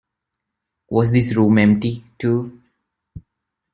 Was this room empty, too?